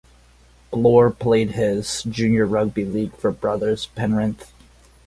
Blore played his junior rugby league for Brothers Penrith.